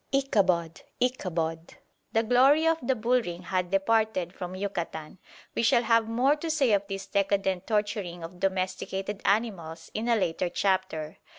Ichabod! Ichabod! The glory of the bull ring hath departed from Yucatan. We shall have more to say of this decadent torturing of domesticated animals in a later chapter.